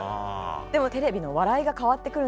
でもテレビの笑いが変わってくるんじゃないか。